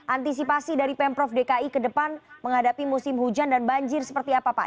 antisipasi dari pemprov dki ke depan menghadapi musim hujan dan banjir seperti apa pak